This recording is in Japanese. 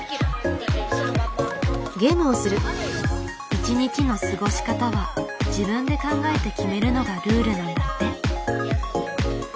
一日の過ごし方は自分で考えて決めるのがルールなんだって。